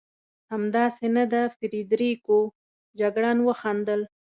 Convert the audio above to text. همداسې نه ده فرېدرېکو؟ جګړن وخندل.